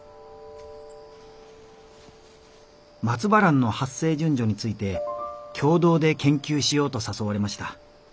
「松葉蘭の発生順序について共同で研究しようと誘われました。